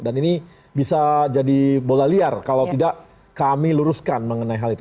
dan ini bisa jadi bola liar kalau tidak kami luruskan mengenai hal itu